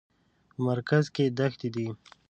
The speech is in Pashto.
په مرکز کې دښتې دي.